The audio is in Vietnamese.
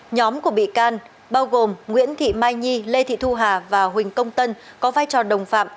nhóm của bị can bao gồm nguyễn thị mai nhi lê thị thu hà và huỳnh công tân có vai trò đồng phạm